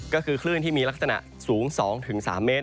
ก็คือคลื่นที่มีลักษณะสูง๒๓เมตร